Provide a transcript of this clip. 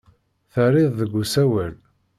Terriḍ deg usawal.